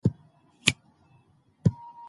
حقيقت تل يو وي خو بيان يې بېلابېل وي.